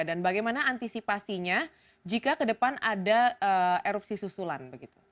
dan bagaimana antisipasinya jika ke depan ada erupsi susulan